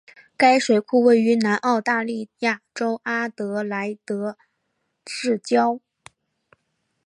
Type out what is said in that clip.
该水库位于南澳大利亚州阿德莱德市郊。